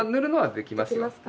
できますか？